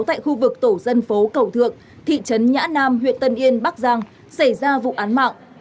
tại khu vực tổ dân phố cầu thượng thị trấn nhã nam huyện tân yên bắc giang xảy ra vụ án mạng